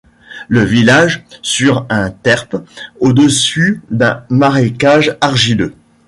Le village sur un terp au-dessus d'un marécage argileux.